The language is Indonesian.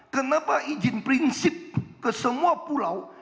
kenapa izin prinsip ke semua pulau